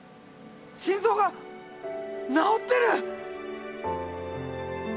心臓がなおってる！